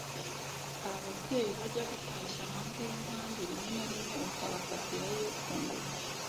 hari ababyeyi bajya gutashya hanze y’inkambi rimwe na rimwe bakabafatirayo ku ngufu